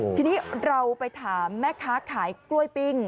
ทีนี้เราไปถามแม่ค้าขายกล้วยปิ้ง